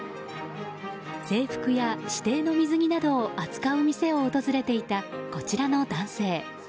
制服や指定の水着などを扱う店を訪れていたこちらの男性。